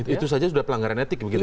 itu saja sudah pelanggaran etik begitu ya